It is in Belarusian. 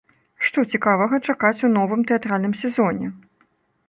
Што цікавага чакаць у новым тэатральным сезоне?